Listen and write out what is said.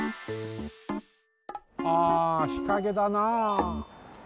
ああ日陰だなあ。